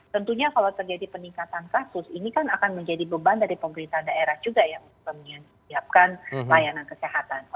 tentunya kalau terjadi peningkatan kasus ini kan akan menjadi beban dari pemerintah daerah juga ya untuk menyiapkan layanan kesehatan